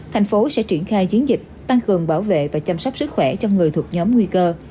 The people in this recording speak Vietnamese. thành phố sẽ triển khai chiến dịch tăng cường bảo vệ và chăm sóc sức khỏe cho người thuộc nhóm nguy cơ